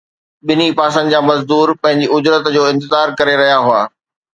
ٻنهي پاسن جا مزدور پنهنجي اجرت جو انتظار ڪري رهيا هئا